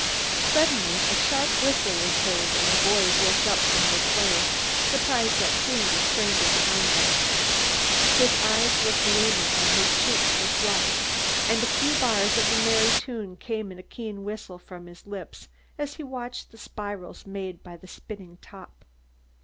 Suddenly a sharp whistle was heard and the boys looked up from their play, surprised at seeing the stranger behind them. His eyes were gleaming, and his cheeks were flushed, and a few bars of a merry tune came in a keen whistle from his lips as he watched the spirals made by the spinning top.